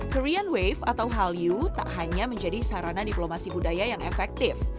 korean wave atau hallyu tak hanya menjadi sarana diplomasi budaya yang efektif